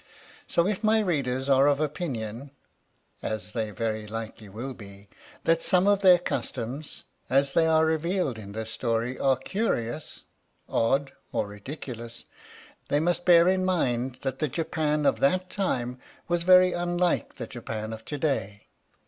So if my readers are of opinion (as they very likely will be) that some of their customs, as they are revealed in this story, are curious, odd or ridiculous, they must bear in mind that the Japan of that time was very unlike the Japan of to day.